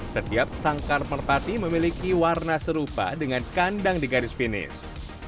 setiap sangkar merpati memiliki warna serupa dengan kandang di garis finish